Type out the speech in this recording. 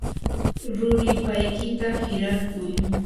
ruripaykita hirakuy.